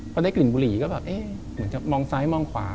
พอได้กลิ่นบุหรี่ก็แบบเอ๊ะเหมือนจะมองซ้ายมองขวา